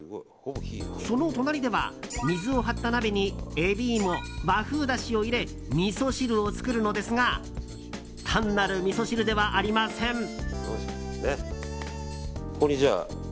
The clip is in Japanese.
その隣では水を張った鍋にエビイモ、和風だしを入れみそ汁を作るのですが単なるみそ汁ではありません。